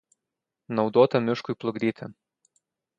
Naudota miškui plukdyti.